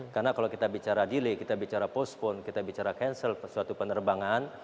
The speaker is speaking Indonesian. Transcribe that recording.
karena kalau kita bicara delay kita bicara postpone kita bicara cancel suatu penerbangan